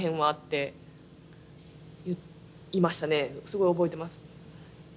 すごい覚えてます。